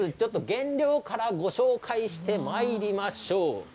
原料からご紹介してまいりましょう。